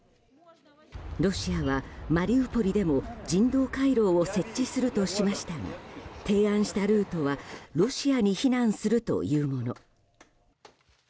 ロシアは、マリウポリでも人道回廊を設置するとしましたが提案したルートはロシアに避難するというもの。